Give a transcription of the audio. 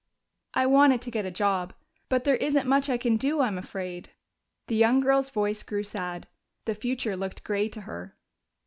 "I wanted to get a job. But there isn't much I can do, I'm afraid." The young girl's voice grew sad; the future looked gray to her.